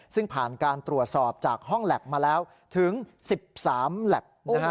ซึ่งผ่านการตรวจสอบจากห้องแล็บมาแล้วถึง๑๓แล็บ